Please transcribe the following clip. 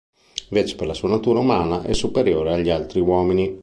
Invece per la sua natura umana è superiore agli altri uomini.